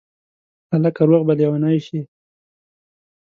هلکه روغ به لېونی شې